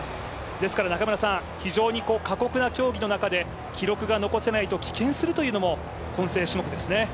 ですから非常に過酷な競技の中で記録が残せないと棄権するというのも混成種目ですね。